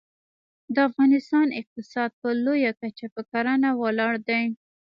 د افغانستان اقتصاد په لویه کچه په کرنه ولاړ دی